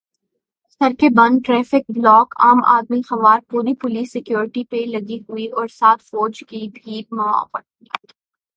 سڑکیں بند، traffic block, عام آدمی خوار، پوری پولیس سکیورٹی پہ لگی ہوئی اور ساتھ فوج کی بھی معاونت۔